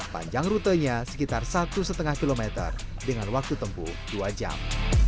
panjang rutenya sekitar satu lima km dengan waktu tempuh dua jam